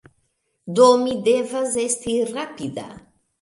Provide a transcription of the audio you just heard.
Do, mi devas esti rapida